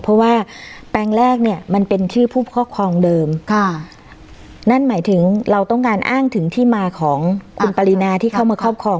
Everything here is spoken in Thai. เพราะว่าแปลงแรกเนี่ยมันเป็นชื่อผู้ครอบครองเดิมค่ะนั่นหมายถึงเราต้องการอ้างถึงที่มาของคุณปรินาที่เข้ามาครอบครอง